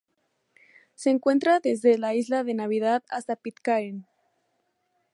Se encuentra desde la isla de Navidad hasta Pitcairn.